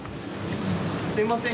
すみません